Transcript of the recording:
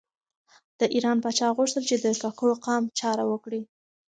د ایران پاچا غوښتل چې د کاکړو قام چاره وکړي.